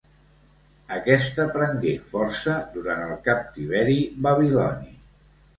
Aquesta prengué força durant el captiveri Babiloni.